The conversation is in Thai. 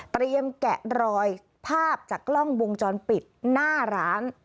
แกะรอยภาพจากกล้องวงจรปิดหน้าร้าน